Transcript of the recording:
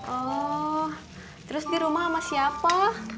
oh terus di rumah sama siapa